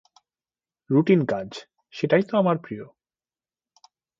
Routine কাজ, সেটাই তো আমার প্রিয়।